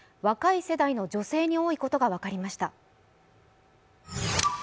若い世代の女性に多いことが分かりました。